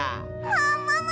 ももも！